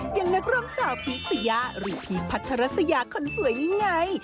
อย่างนักร้องสาวพีคสยาหรือพีคพัทรัสยาคนสวยนี่ไง